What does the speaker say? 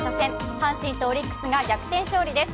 阪神とオリックスが逆転勝利です。